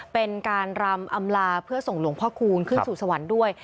เป็นการรำอำลาเพื่อส่งหลวงพ่อคูณขึ้นสู่สวรรค์ด้วย